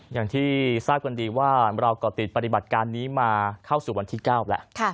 อย่างที่ทราบกันดีว่าเราก่อติดปฏิบัติการนี้มาเข้าสู่วันที่๙แล้ว